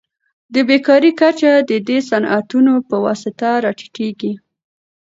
د بیکارۍ کچه د دې صنعتونو په واسطه راټیټیږي.